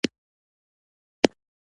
چلند یې له اصل او جوهر سره تضاد ولري.